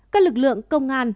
các lực lượng công an